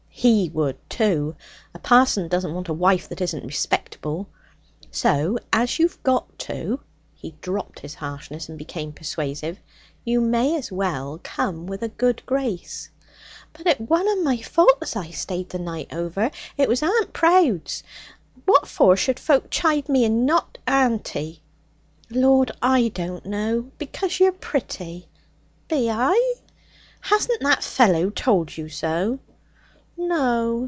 He would, too. A parson doesn't want a wife that isn't respectable. So as you've got to' he dropped his harshness and became persuasive 'you may as well come with a good grace.' 'But it wunna my fault as I stayed the night over. It was aunt Prowde's. What for should folk chide me and not auntie?' 'Lord, I don't know! Because you're pretty.' 'Be I?' 'Hasn't that fellow told you so?' 'No.